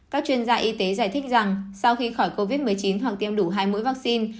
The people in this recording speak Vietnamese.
các chuyên gia y tế giải thích rằng sau khi khỏi covid một mươi chín hoặc tiêm đủ hai mũi vaccine